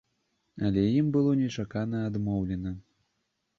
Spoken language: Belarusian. Але ім было нечакана адмоўлена.